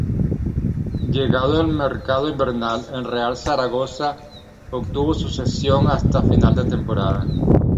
Llegado el mercado invernal, el Real Zaragoza obtuvo su cesión hasta final de temporada.